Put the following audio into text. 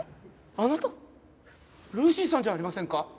あなたルーシーさんじゃありませんか？